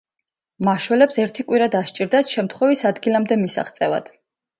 მაშველებს ერთი კვირა დასჭირდათ შემთხვევის ადგილამდე მისაღწევად.